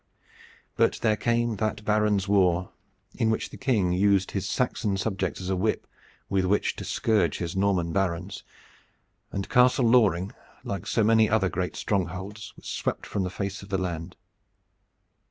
But there came that Barons' War, in which the King used his Saxon subjects as a whip with which to scourge his Norman barons, and Castle Loring, like so many other great strongholds, was swept from the face of the land.